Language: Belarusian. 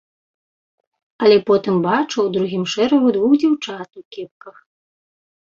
Але потым бачу ў другім шэрагу двух дзяўчат у кепках.